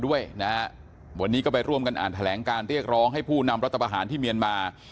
ด้วยนะฮะวันนี้ก็ไปร่วมกันอ่านแถลงการเรียกร้องให้ผู้นำรัฐประหารที่เมียนมา